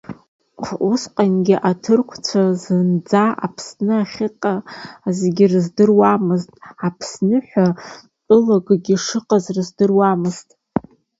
Уысҟангьы аҭырқәцәа зынӡа Аԥсны ахьыҟазгьы рыздырымзт, Аԥсны ҳәа тәылакгьы шыҟаз рыздыруамызт.